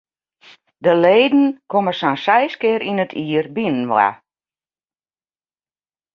De leden komme sa'n seis kear yn it jier byinoar.